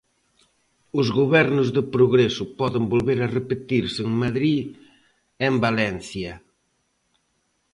Os gobernos de progreso poden volver a repetirse en Madrid e en Valencia.